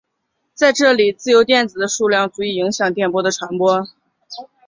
在这里自由电子的数量足以影响电波的传播。